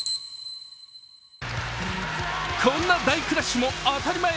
こんな大クラッシュも当たり前。